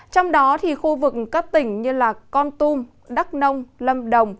trong đó khu vực các tỉnh như con tum đắk nông lâm đồng